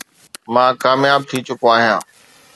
مان ڪامياب ٿي چڪو آهيان.